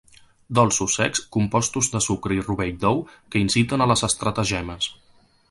Dolços secs compostos de sucre i rovell d'ou que inciten a les estratagemes.